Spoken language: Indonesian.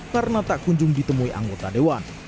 karena tak kunjung ditemui anggota dewan